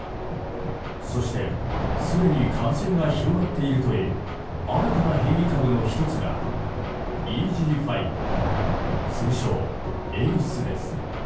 そして、すでに感染が広がっているという新たな変異株の１つがＥＧ．５、通称エリスです。